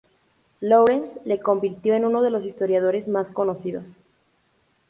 Lawrence" le convirtió en uno de los historiadores más conocidos.